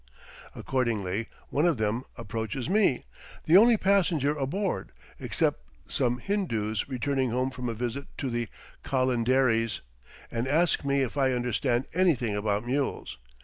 Accordingly, one of them approaches me, the only passenger aboard, except some Hindoos returning home from a visit to the Colinderies, and asks me if I understand anything about mules.